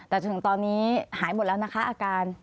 แต่จนถึงตอนนี้หายหมดแล้วนะคะอาการ